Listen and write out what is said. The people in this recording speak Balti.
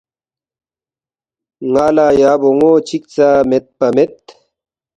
”ن٘ا لہ یا بون٘و چِک ژا میدپا مید